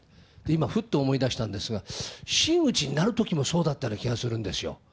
今、ふっと思い出したんですが真打ちになる時もそうだったような気がするんですよ。